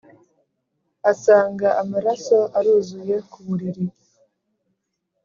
asanga amaraso aruzuye ku buriri.